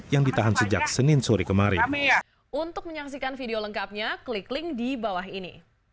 yang ditahan sejak senin sore kemarin